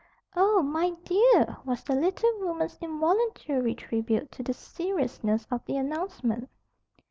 "Oh, my dear!" was the little woman's involuntary tribute to the seriousness of the announcement.